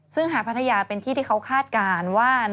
ซึ่งหาดพัทยาเป็นที่ที่เขาคาดการณ์ว่า